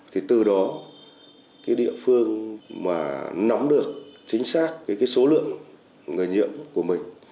thì từ đó cái địa phương mà nắm được chính xác cái số lượng người nhiễm của mình